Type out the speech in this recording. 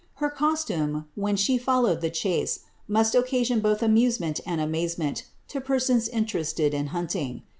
Her costume, when sbc roDoued llic cli:i °. must ocrasion both amusement and amazement lo persons interested in hunting.